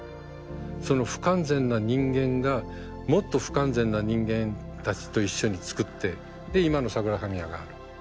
その不完全な人間がもっと不完全な人間たちと一緒に作ってで今のサグラダ・ファミリアがある。